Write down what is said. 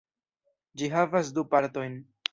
Ĝi havas du partojn.